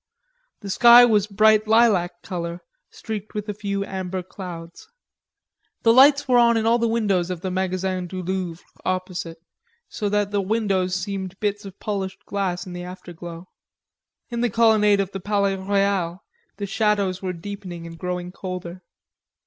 The sky was bright lilac color, streaked with a few amber clouds. The lights were on in all the windows of the Magazin du Louvre opposite, so that the windows seemed bits of polished glass in the afterglow. In the colonnade of the Palais Royal the shadows were deepening and growing colder.